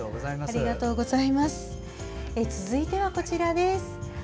続いてはこちらです。